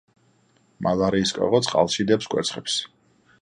მალარიის კოღო წყალში დებს კვერცხებს.